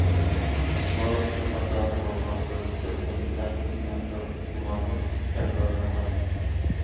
ماۋۇ ئىشنى، خاتا ئۇرۇلغان بىر تېلېفون بىلەن مەن بىر گۇمانلىق ئەرگە ئايلانغانىدىم.